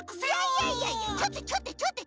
いやいやいやちょっとちょっとちょっと。